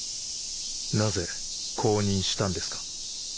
なぜ降忍したんですか？